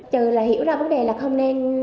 trừ là hiểu ra vấn đề là không nên